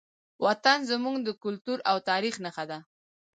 وطن زموږ د کلتور او تاریخ نښه ده.